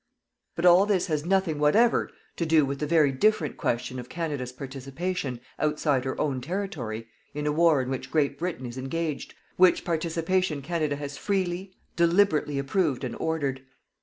But all this has nothing whatever to do with the very different question of Canada's participation, outside her own territory, in a war in which Great Britain is engaged, which participation Canada has freely, deliberately approved and ordered.